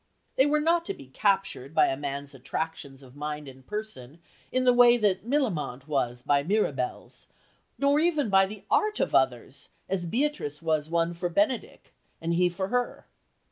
They were not to be captured by a man's attractions of mind and person in the way that Millamant was by Mirabell's, nor even by the art of others, as Beatrice was won for Benedick and he for her.